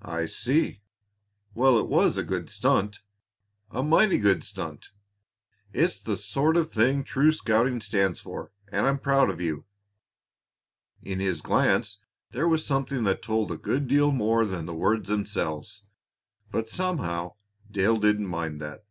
"I see. Well, it was a good stunt a mighty good stunt! It's the sort of thing true scouting stands for, and I'm proud of you." In his glance there was something that told a good deal more than the words themselves, but somehow Dale didn't mind that.